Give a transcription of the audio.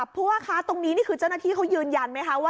อเรฟตรงนี้นี่คือเจ้าน้าที่ว่ายืนยันไหมคะ